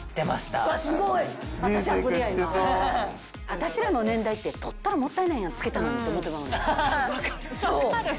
私らの年代って「取ったらもったいないやんつけたのに」と思ってまうの。